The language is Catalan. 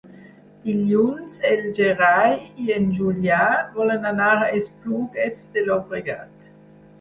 Dilluns en Gerai i en Julià volen anar a Esplugues de Llobregat.